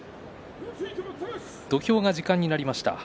土俵が時間になりました。